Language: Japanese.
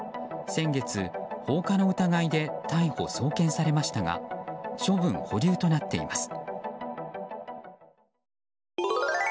先月、放火の疑いで逮捕・送検されましたが処分保留となっています。